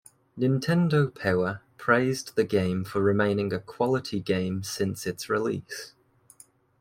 "Nintendo Power" praised the game for remaining a quality game since its release.